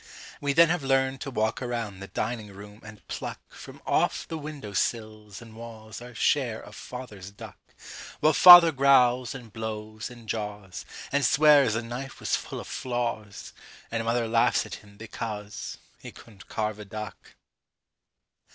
We then have learned to walk around the dining room and pluck From off the windowsills and walls Our share of Father's duck While Father growls and blows and jaws And swears the knife was full of flaws And Mother laughs at him because He couldn't carve a duck.